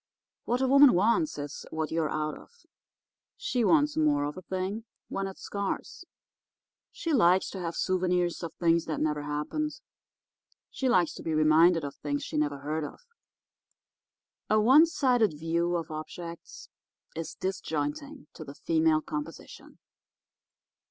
What a woman wants is what you're out of. She wants more of a thing when it's scarce. She likes to have souvenirs of things that never happened. She likes to be reminded of things she never heard of. A one sided view of objects is disjointing to the female composition.